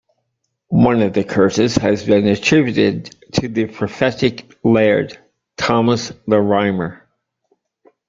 One of the curses has been attributed to the prophetic laird, Thomas the Rhymer.